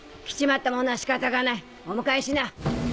来ちまったものは仕方がないお迎えしな。